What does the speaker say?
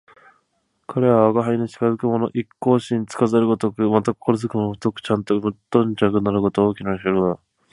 彼は吾輩の近づくのも一向心付かざるごとく、また心付くも無頓着なるごとく、大きな鼾をして長々と体を横えて眠っている